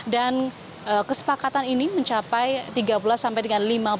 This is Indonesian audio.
dan kesepakatan ini mencapai tiga belas sampai dengan lima belas